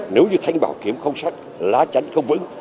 nếu như thanh bảo kiếm không sắt lá chắn không vững